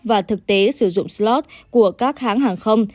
và thực tế sử dụng slot của các hãng hàng không